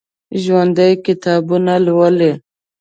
ژوندي کتابونه لولي